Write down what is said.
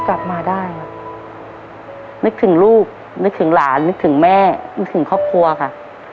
ก็ก็นึกถึงลูกนึกถึงหลานนึกถึงแม่นึกถึงครอบครัวค่ะ